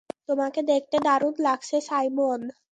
তোমাকে দেখতে দারুণ লাগছে, সাইমন!